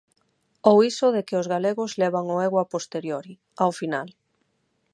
Ou iso de que os galegos levan o ego a posteriori, ao final.